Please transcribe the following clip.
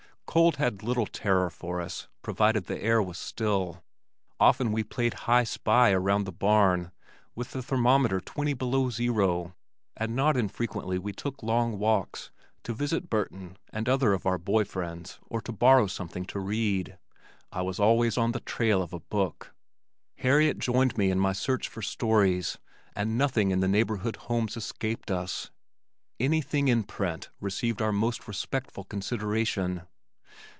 Cold had little terror for us, provided the air was still. Often we played "Hi Spy" around the barn with the thermometer twenty below zero, and not infrequently we took long walks to visit Burton and other of our boy friends or to borrow something to read. I was always on the trail of a book. Harriet joined me in my search for stories and nothing in the neighborhood homes escaped us. Anything in print received our most respectful consideration.